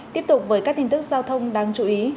tiếp tục với các tin tức giao thông đáng chú ý